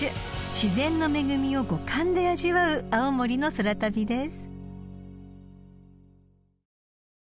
［自然の恵みを五感で味わう青森の空旅です］